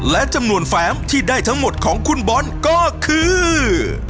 และจำนวนแฟมที่ได้ทั้งหมดของคุณบอลก็คือ